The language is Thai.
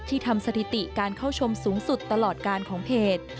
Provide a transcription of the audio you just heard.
ทำสถิติการเข้าชมสูงสุดตลอดการของเพจ